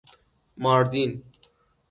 ماردین